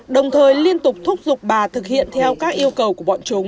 đồng thời liên tục thúc giục bà thực hiện theo các yêu cầu của bọn chúng